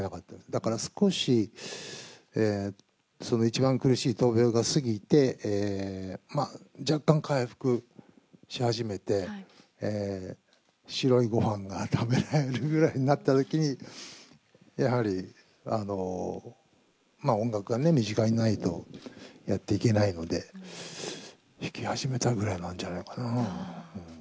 だから少し、その一番苦しい闘病が過ぎて、若干回復し始めて、白いごはんが食べられるぐらいになったときに、やはり、まあ音楽が身近にないとやっていけないので、弾き始めたぐらいなんじゃないかな。